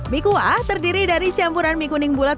mie kuah terdiri dari campuran mie kuning bulat